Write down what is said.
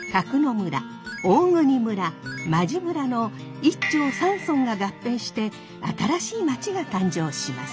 村大国村馬路村の一町三村が合併して新しい町が誕生します。